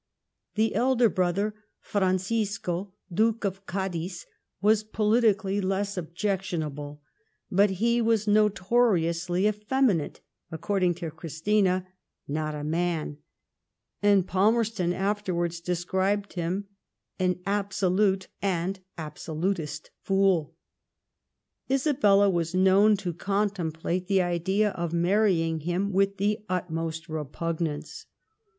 The elder brother, Francisco, Duke of Cadiz, was politically less objectionable ; but he was notoriously effeminate, accor ding to Christina, '' not a man,'' and Palmerston after wards termed him an absolute and Absolutist fool.'* Isabella was known to contemplate the idea of marry ing him with the utmost repugnance.